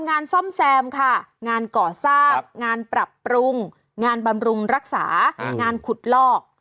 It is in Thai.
งานซ่อมแซมค่ะงานก่อสร้างงานปรับปรุงงานบำรุงรักษางานขุดลอก